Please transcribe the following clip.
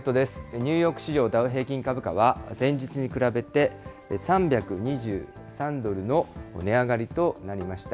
ニューヨーク市場ダウ平均株価は、前日に比べて３２３ドルの値上がりとなりました。